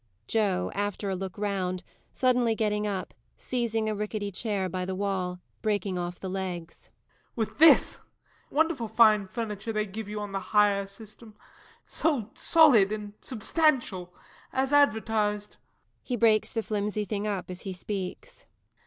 JOE. [After a look round, suddenly getting up, seizing a ricketty chair by the wall, breaking off the legs.] With this! Wonderful fine furniture they give you on the Hire System so solid and substantial as advertised. [_He breaks the flimsy thing up, as he speaks.